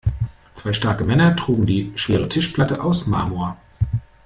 Zwei starke Männer trugen die schwere Tischplatte aus Marmor.